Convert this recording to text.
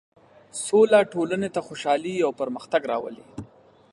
سوله ټولنې ته خوشحالي او پرمختګ راولي.